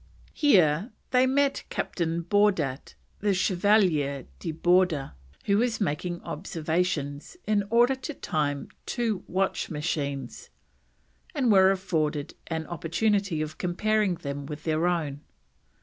Here they met "Captain Baurdat" (the Chevalier de Borda), who was making observations in order to time two watch machines, and were afforded an opportunity of comparing them with their own.